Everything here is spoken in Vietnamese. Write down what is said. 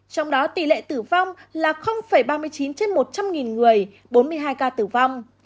trong đó tỷ lệ tử vong là ba mươi chín trên một trăm linh người bốn mươi hai ca tử vong